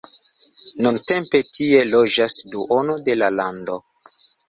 Nuntempe tie loĝas duono de la lando.